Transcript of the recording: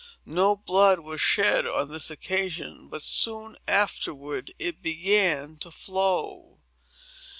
No blood was shed on this occasion; but, soon afterward, it began to flow.